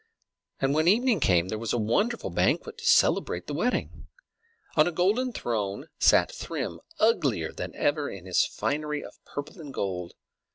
And when evening came there was a wonderful banquet to celebrate the wedding. On a golden throne sat Thrym, uglier than ever in his finery of purple and gold.